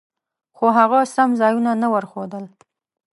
خو هغه سم ځایونه نه ورښودل.